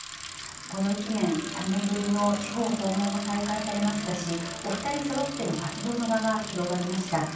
この１年３年ぶりの地方訪問も再開されましたしお２人そろっての活動の場が広がりました。